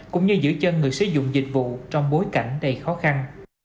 cũng như giữ chân người sử dụng dịch vụ trong bối cảnh đầy khó khăn